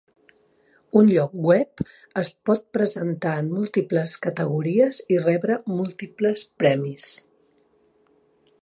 Un lloc web es pot presentar en múltiples categories i rebre múltiples premis.